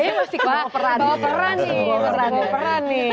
dia masih bawa peran